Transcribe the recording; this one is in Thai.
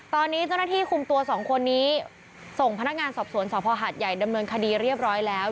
ตอนนี้เจ้าหน้าที่คุมตัวสองคนนี้ส่งพนักงานสอบสวนสภหาดใหญ่ดำเนินคดีเรียบร้อยแล้ว